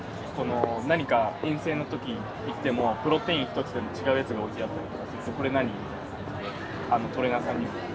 何か遠征の時行ってもプロテイン一つでも違うやつが置いてあったりとかすると「これ何？」みたいな感じでトレーナーさんにも。